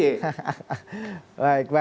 baik baik baik